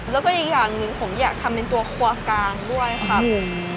แล้วก็อีกอย่างหนึ่งผมอยากทำเป็นตัวครัวกลางด้วยครับผม